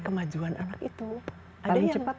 kemajuan anak itu paling cepat